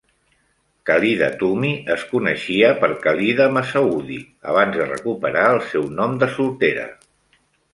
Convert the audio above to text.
Khalida Toumi es coneixia per Khalida Messaoudi abans de recuperar el seu nom de soltera.